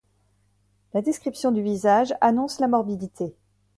La description du visage annonce la morbidité.